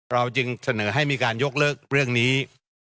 เราจึงเสนอให้มีการยกเลิกเรื่องนี้